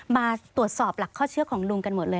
มาตรวจสอบหลักข้อเชื่อของลุงกันหมดเลย